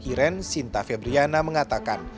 iren sinta febriana mengatakan